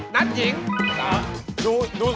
นัทหญิง